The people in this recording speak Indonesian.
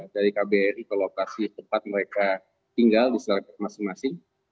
dari kbri ke lokasi tempat mereka tinggal di selagak masing masing